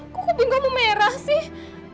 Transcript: kok kuping gue merah sih